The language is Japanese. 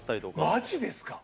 マジですか！？